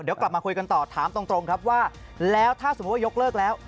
เดี๋ยวกลับมาคุยกันต่อถามตรงครับว่าแล้วถ้าสมมุติว่ายกเลิกแล้ว